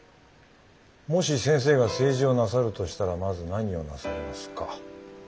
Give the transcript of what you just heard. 「もし先生が政治をなさるとしたらまず何をなさいますか？」。